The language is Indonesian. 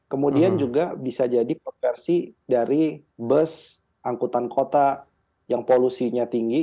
kemudian juga bisa jadi konversi dari bus angkutan kota yang polusinya tinggi